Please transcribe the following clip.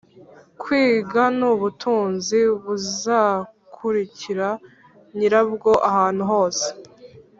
kwiga nubutunzi buzakurikira nyirabwo ahantu hose